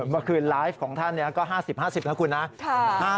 เมื่อคืนไลฟ์ของท่านก็๕๐๕๐นะคุณนะ